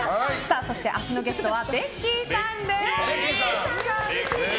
そして、明日のゲストはベッキーさんです。